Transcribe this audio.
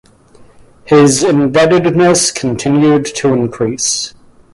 His indebtedness continued to increase.